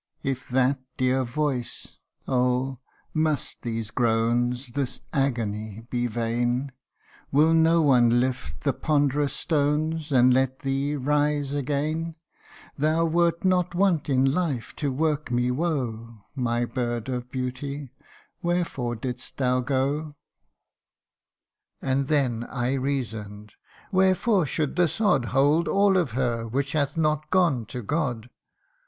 If that dear voice oh ! must these groans, This agony be vain ? Will no one lift the ponderous stones, And let thee rise again ? Thou wert not wont in life to work me woe : My bird of beauty ! wherefore didst thou go ?' 124 THE UNDYING ONE. " And then I reason'd Wherefore should the sod Hold all of her, which hath not gone to God